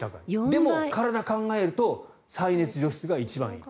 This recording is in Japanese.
でも、体を考えると再熱除湿が一番いい。